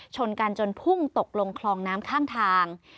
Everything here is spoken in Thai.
ชนกันจนพุ่งตกลงคลองน้ำข้างทาง